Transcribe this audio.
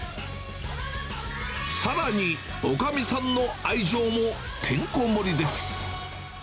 さらに、おかみさんの愛情もてんこ盛りです。